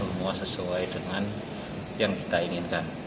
semoga semua sesuai yang kita inginkan